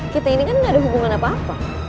kita ini kan gak ada hubungan apa apa